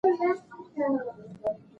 غنایي اشعار په ښکلي غږ سره ویل کېږي.